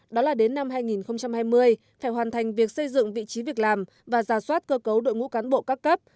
đó là đến năm hai nghìn hai mươi phải hoàn thành việc xây dựng vị trí việc làm và giả soát cơ cấu đội ngũ cán bộ các cấp